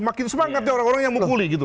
makin semangat ya orang orang yang mukuli gitu